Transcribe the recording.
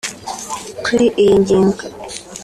Kuri iyi ngingo